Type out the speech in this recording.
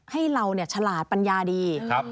ให้เราฉลาดปัญญาดี